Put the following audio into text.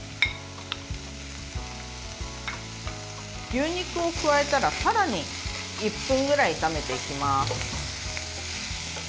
牛肉を加えたらさらに１分ぐらい炒めていきます。